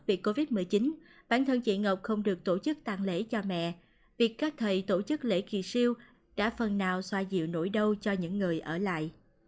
vì covid một mươi chín bản thân chị ngọc không được tổ chức tàn lễ cho mẹ việc các thầy tổ chức lễ kỳ siêu đã phần nào xoa dịu nỗi đau cho những người ở lại